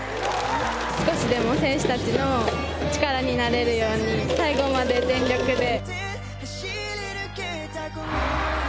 少しでも選手たちの力になれるように、最後まで全力で。